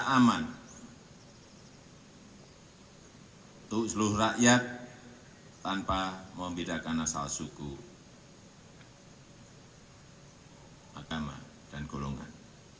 dan kemampuan untuk seluruh rakyat tanpa membedakan asal suku agama dan golongan